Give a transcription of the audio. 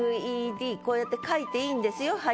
こうやって書いていいんですよ